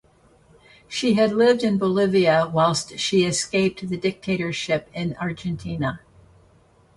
She had lived in Bolivia whilst she escaped the dictatorship in Argentina.